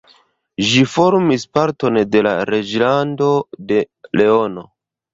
Ĝi formis parton de la Reĝlando de Leono.